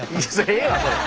ええわそれ！